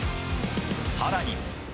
さらに。